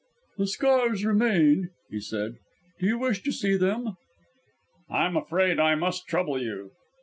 "The scars remain," he said. "Do you wish to see them?" "I am afraid I must trouble you."